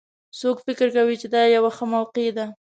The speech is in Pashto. څوک فکر کوي چې دا یوه ښه موقع ده